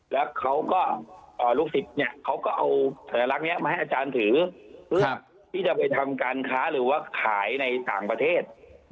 แล้วเขาก็ลูกศิษย์เนี่ยเขาก็เอาสัญลักษณ์นี้มาให้อาจารย์ถือเพื่อที่จะไปทำการค้าหรือว่าขายในต่างประเทศ